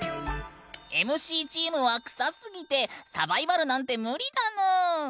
ＭＣチームはクサすぎてサバイバルなんて無理だぬん！